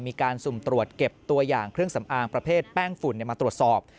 มีการสุ่มตรวจเก็บตัวอย่างเครื่องสำอางประเภทแป้งฝุ่นมาตรวจสอบ